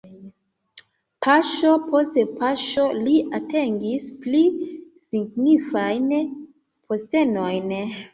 Paŝo post paŝo li atingis pli signifajn postenojn.